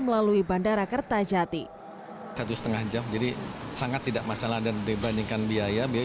melalui bandara kertajati satu setengah jam jadi sangat tidak masalah dan dibandingkan biaya biaya